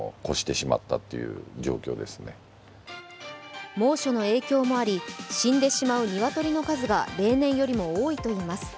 更に猛暑の影響もあり、死んでしまう鶏の数が例年よりも多いといいます。